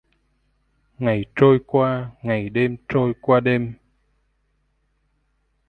Ngày trôi qua ngày đêm trôi qua đêm